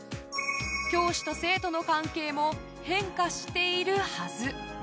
教師と生徒の関係も変化しているはず。